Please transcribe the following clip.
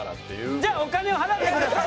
じゃあお金を払ってください。